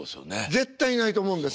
絶対いないと思うんです。